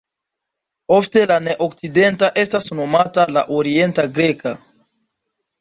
Ofte la ne-okcidenta estas nomata la Orienta Greka.